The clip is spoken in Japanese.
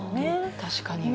確かに。